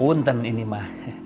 untan ini ma